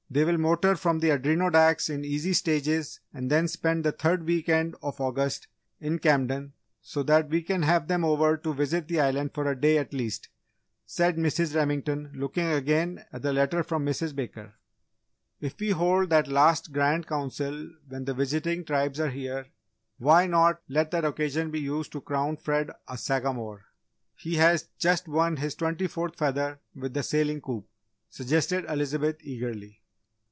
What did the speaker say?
They will motor from the Adirondacks in easy stages and then spend the third week end of August in Camden, so that we can have them over to visit the Island for a day at least!" said Mrs. Remington, looking again at the letter from Mrs. Baker. "If we hold that last Grand Council when the visiting Tribes are here why not let that occasion be used to crown Fred a Sagamore? He has just won his twenty fourth feather with the sailing coup," suggested Elizabeth, eagerly.